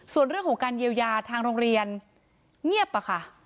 ส่วนเรื่องของการเยียวยาทางโรงเรียนเงียบอะค่ะ